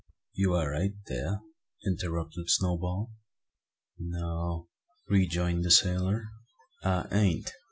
"You are right dar," interrupted Snowball. "No," rejoined the sailor, "I ain't.